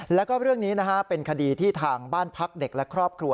แล้วก็เรื่องนี้นะฮะเป็นคดีที่ทางบ้านพักเด็กและครอบครัว